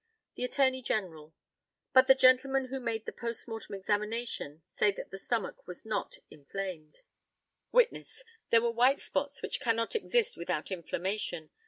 The ATTORNEY GENERAL. But the gentlemen who made the post mortem examination say that the stomach was not inflamed. Witness. There were white spots, which cannot exist without inflammation.